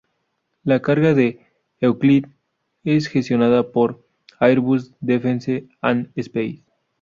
La carga de Euclid es gestionada por Airbus Defence and Space.